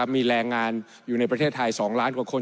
มีแรงงานอยู่ในประเทศไทย๒ล้านกว่าคน